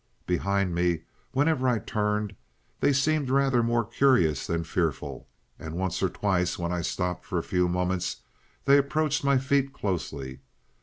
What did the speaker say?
Behind me, whenever I turned, they seemed rather more curious than fearful, and once or twice when I stopped for a few moments they approached my feet closely.